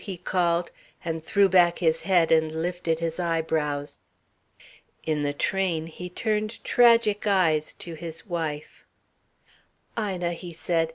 he called, and threw back his head and lifted his eyebrows. In the train he turned tragic eyes to his wife. "Ina," he said.